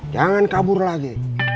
jangan kabur lagi